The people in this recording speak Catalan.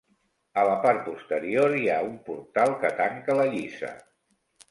A la part posterior hi ha un portal que tanca la lliça.